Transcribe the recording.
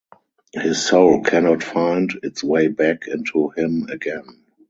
His soul cannot find its way back into him again.